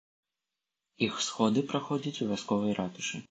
Іх сходы праходзяць у вясковай ратушы.